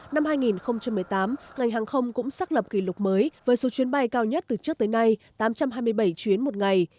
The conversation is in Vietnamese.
năm hai nghìn một mươi tám ngành hàng không cũng xác lập kỷ lục mới với số chuyến bay cao nhất từ trước tới nay tám trăm hai mươi bảy chuyến một ngày